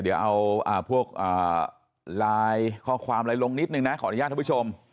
เดี๋ยวเอาพวกไลน์ข้อความอะไรลงนิดนึงนะขออนุญาตท่านผู้ชม